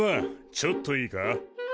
ちょっといいか。